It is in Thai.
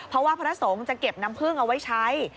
เพราะว่าพระสงฆ์จะเก็บน้ำพึ่งเอาไว้ใช้